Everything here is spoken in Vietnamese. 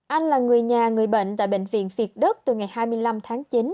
anh là người nhà người bệnh tại bệnh viện việt đức từ ngày hai mươi năm tháng chín